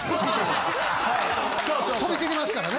飛び散りますからね。